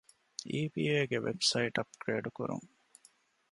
އީ.ޕީ.އޭގެ ވެބްސައިޓް އަޕްގްރޭޑް ކުރުން